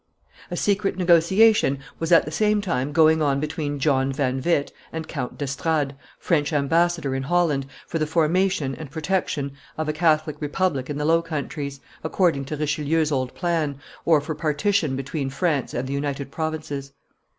A secret negotiation was at the same time going on between John van Witt and Count d'Estrades, French ambassador in Holland, for the formation and protection of a Catholic republic in the Low Countries, according to Richelieu's old plan, or for partition between France and the United Provinces.